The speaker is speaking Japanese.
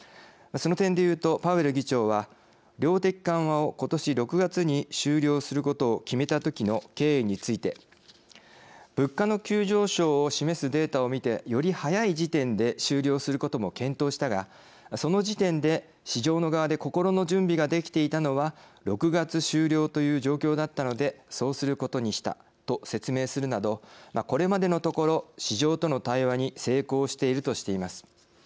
その点でいうとパウエル議長は量的緩和をことし６月に終了することを決めたときの経緯について物価の急上昇を示すデータを見て、より早い時点で終了することも検討したがその時点で市場の側で心の準備ができていたのは６月終了という状況だったのでそうすることにしたと説明するなどこれまでのところ市場との対話に成功しているとしています。